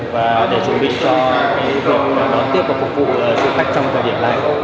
và để chuẩn bị cho việc đón tiếp và phục vụ du khách trong thời điểm này